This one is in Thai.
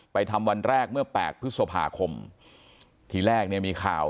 ทำวันแรกเมื่อแปดพฤษภาคมทีแรกเนี่ยมีข่าว